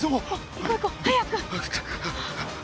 行こう行こう早く。